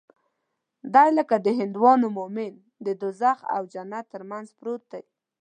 دى لکه د هندوانو مومن د دوږخ او جنت تر منځ پروت دى.